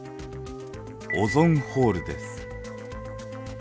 「オゾンホール」です。